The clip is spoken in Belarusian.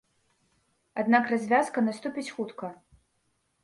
Аднак развязка наступіць хутка.